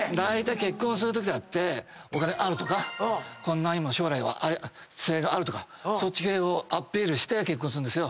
結婚するときだってお金あるとかこんなにも将来性があるとかそっち系をアピールして結婚すんですよ。